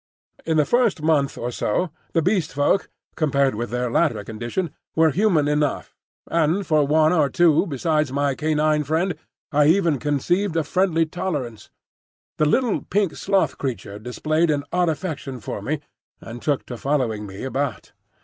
In the first month or so the Beast Folk, compared with their latter condition, were human enough, and for one or two besides my canine friend I even conceived a friendly tolerance. The little pink sloth creature displayed an odd affection for me, and took to following me about.